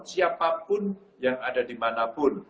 siapapun yang ada dimanapun